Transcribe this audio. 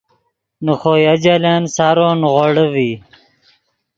نے خوئے اجلن سارو نیغوڑے ڤی